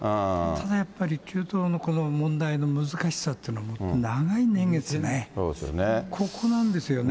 ただやっぱり、中東のこの問題の難しさっていうのは長い年月でね、ここなんですよね。